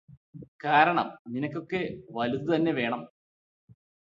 കാരണം നിനക്കൊക്കെ വലുത് തന്നെ വേണം